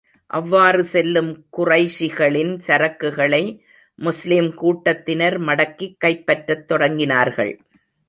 அவ்வாறு செல்லும் குறைஷிகளின் சரக்குகளை முஸ்லிம் கூட்டத்தினர் மடக்கிக் கைப்பற்றத் தொடங்கினார்கள்.